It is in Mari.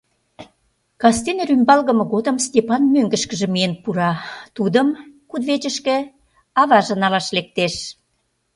Кастене, рӱмбалгыме годым, Степан мӧҥгышкыжӧ миен пура Тудым кудывечышке аваже налаш лектеш.